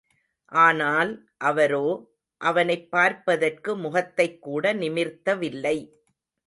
ஆனால், அவரோ, அவனைப் பார்ப்பதற்கு முகத்தைகூட நிமிர்த்தவில்லை.